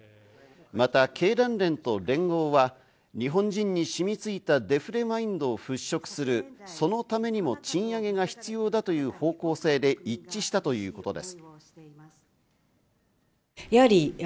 また経団連と連合は、日本人に染みついたデフレマインドを払拭する、そのためにも賃上げが必要だという方向性で一致したということです。